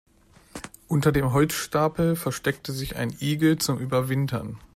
Unter dem Holzstapel versteckte sich ein Igel zum Überwintern.